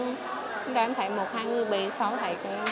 cũng đoán thịt một hai người bị xấu thịt